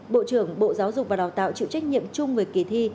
bộ trưởng bộ giáo dục và đào tạo chịu trách nhiệm chung về kỳ thi